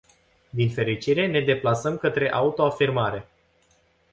Din fericire, ne deplasăm către auto-afirmare.